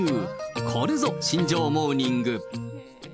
これぞ、新庄モーニング。